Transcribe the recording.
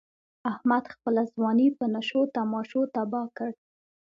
احمد خپله ځواني په نشو تماشو تباه کړ.